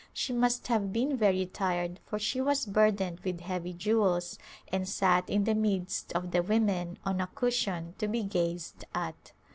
She must have been very tired for she was burdened with heavy jewels and sat in the midst of the women on a cushion to be gazed at.